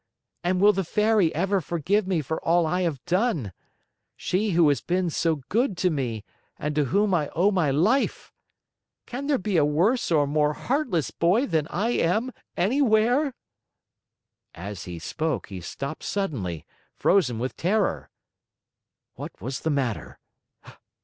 And will the Fairy ever forgive me for all I have done? She who has been so good to me and to whom I owe my life! Can there be a worse or more heartless boy than I am anywhere?" As he spoke, he stopped suddenly, frozen with terror. What was the matter?